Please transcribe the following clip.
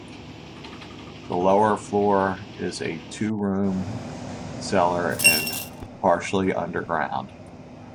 The lower floor is a two-room cellar, and partially underground.